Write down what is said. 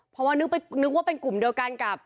เพราะว่านึกว่าเป็นกลุ่มเดียวกันกับ